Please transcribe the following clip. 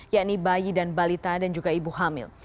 yakni bayi dan balita dan juga ibu hamil